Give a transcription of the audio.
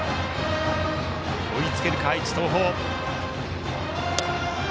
追いつけるか、愛知・東邦。